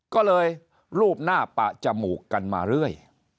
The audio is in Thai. ก็เลยรูปหน้าปะจมูกกันมาเรื่อย